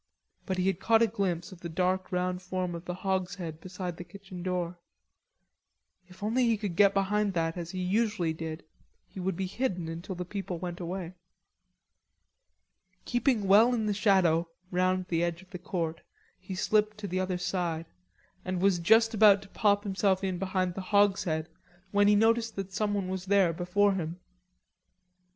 But he had caught a glimpse of the dark round form of the hogshead beside the kitchen door. If he only could get behind that as he usually did, he would be hidden until the people went away. Keeping well in the shadow round the edge of the court, he slipped to the other side, and was just about to pop himself in behind the hogshead when he noticed that someone was there before him.